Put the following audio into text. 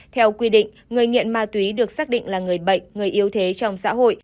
theo quy định người nghiện ma túy được xác định là người bệnh người yếu thế trong xã hội